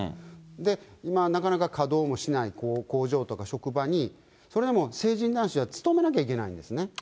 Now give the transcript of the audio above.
で、なかなか稼働もしない工場とか職場に、それでも成人男子は勤めなければいけないんですね。